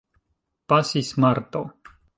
Pasis marto.